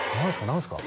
何すか？